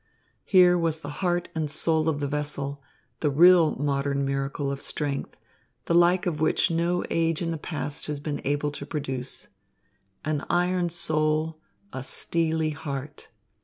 Here was the heart and soul of the vessel, the real modern miracle of strength, the like of which no age in the past has been able to produce. An iron soul, a steely heart.